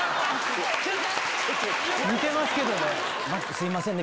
すいませんね。